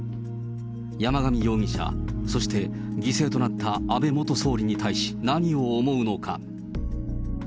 山上容疑者、そして犠牲となった安倍元総理に対し、何を思うのか。